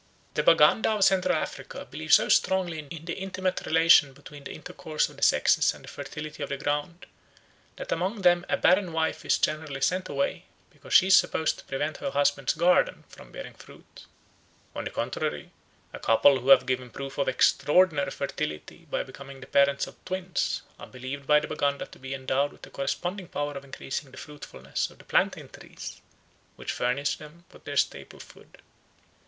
The Baganda of Central Africa believe so strongly in the intimate relation between the intercourse of the sexes and the fertility of the ground that among them a barren wife is generally sent away, because she is supposed to prevent her husband's garden from bearing fruit. On the contrary, a couple who have given proof of extraordinary fertility by becoming the parents of twins are believed by the Baganda to be endowed with a corresponding power of increasing the fruitfulness of the plantain trees, which furnish them with their staple food.